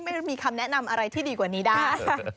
ไม่มีคำแนะนำอะไรที่ดีกว่านี้ได้